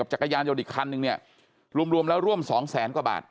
จักรยานยนต์อีกคันนึงเนี่ยรวมแล้วร่วม๒แสนกว่าบาท